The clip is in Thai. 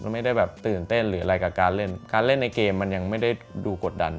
ไม่ได้แบบตื่นเต้นหรืออะไรกับการเล่นการเล่นในเกมมันยังไม่ได้ดูกดดัน